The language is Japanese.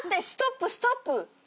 ストップストップ。